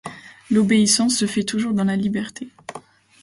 L'obéissance se fait toujours dans la liberté.